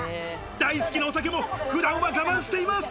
大好きなお酒も、普段は我慢しています。